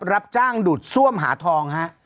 รับจ้างดูดซ่วมหาทองฮะ